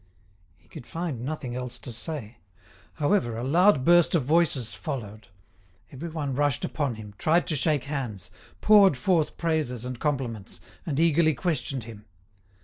He could find nothing else to say. However, a loud burst of voices followed. Every one rushed upon him, tried to shake hands, poured forth praises and compliments, and eagerly questioned him.